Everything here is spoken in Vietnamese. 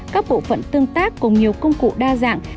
các bộ phận tương tác cùng nhiều công cụ đa dạng